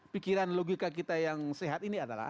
pikiran logika kita yang sehat ini adalah